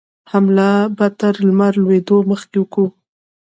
حمله به تر لمر لوېدو مخکې کوو.